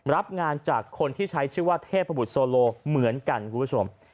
รับงานจากคนที่ใช้ชื่อว่าเทพบุตรโซโลเหมือนกันคุณผู้ชม